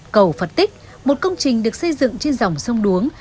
cầu phật tích một công trình được xây dựng trên dòng sông đuống